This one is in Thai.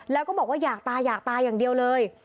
แล้วก็บอกว่าอยากตายอยากตายอย่างเดียวเลย